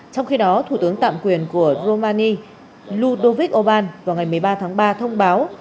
trong khi đó thủ tướng tạm quyền của romani ludovic orbán vào ngày một mươi ba tháng ba thông báo